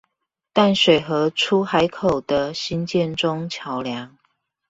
淡水河出海口的興建中橋梁